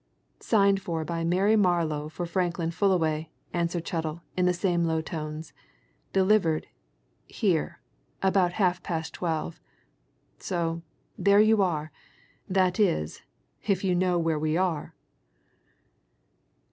"Signed for by Mary Marlow for Franklin Fullaway," answered Chettle in the same low tones. "Delivered here about half past twelve. So there you are! That is if you know where we are!"